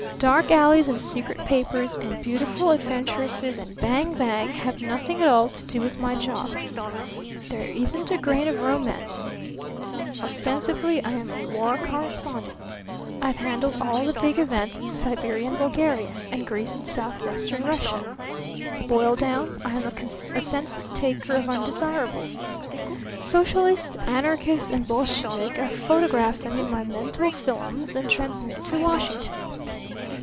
Dark alleys and secret papers and beautiful adventuresses and bang bang have nothing at all to do with my job. There isn't a grain of romance in it. Ostensibly I am a war correspondent. I have handled all the big events in Serbia and Bulgaria and Greece and southwestern Russia. Boiled down, I am a census taker of undesirables. Socialist, anarchist and Bolshevik I photograph them in my mental 'fillums' and transmit to Washington.